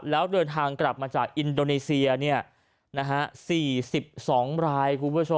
แล้วเดินทางกลับมาจากอินโดนีเซีย๔๒บราย